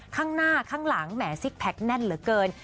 ข้างหน้าข้างหลังแหมซิกแพคแน่นเหลือเกิน